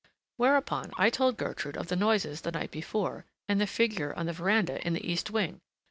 Whereupon I told Gertrude of the noises the night before, and the figure on the veranda in the east wing.